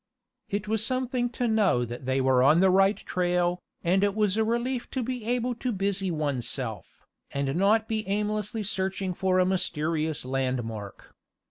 It was something to know that they were on the right trail, and it was a relief to be able to busy oneself, and not be aimlessly searching for a mysterious landmark.